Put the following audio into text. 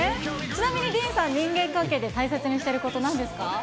ちなみにディーンさん、人間関係で大切にしていること、なんですか。